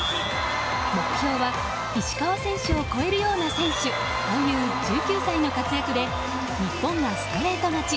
目標は石川選手を超えるような選手という１９歳の活躍で日本がストレート勝ち。